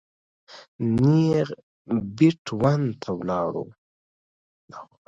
نېغ بېټ ون ته ولاړو.